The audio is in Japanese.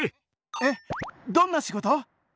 えっどんな仕事？